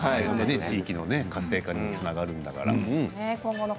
地域の活性化にもつながるんだから。